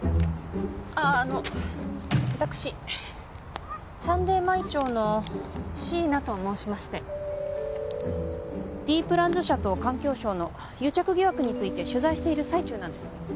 あああの私サンデー毎朝の椎名と申しましてＤプランズ社と環境省の癒着疑惑について取材している最中なんです